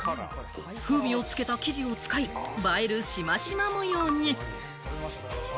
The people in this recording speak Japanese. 風味をつけた生地を使い、映えるシマシマ模様に。